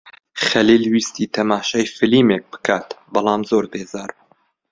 خەلیل ویستی تەماشای فیلمێک بکات بەڵام زۆر بێزار بوو.